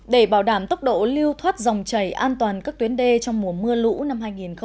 để bảo đảm tốc độ lưu thoát dòng chảy an toàn các tuyến đê trong mùa mưa lũ năm hai nghìn hai mươi